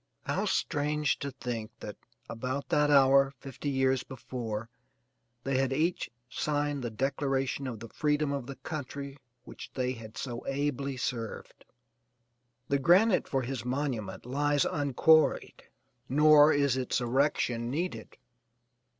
How strange to think that about that hour fifty years before they had each signed the declaration of the freedom of the country which they had so ably served. The granite for his monument lies unquarried nor is its erection needed.